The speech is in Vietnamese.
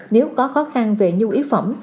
nếu có khó khăn về nhu yếu phẩm